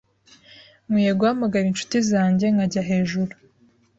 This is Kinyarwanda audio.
Nkwiye guhamagara inshuti zanjye nkajya hejuru